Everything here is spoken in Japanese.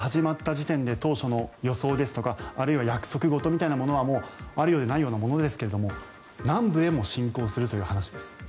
末延さん侵攻が始まった時点で当初の予想ですとかあるいは約束事みたいなものはもうあるようでないようなものですけれど南部へも侵攻するという話です。